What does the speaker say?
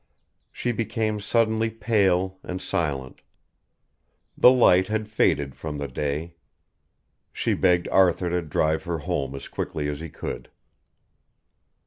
She became suddenly pale and silent. The light had faded from the day. She begged Arthur to drive her home as quickly as he could.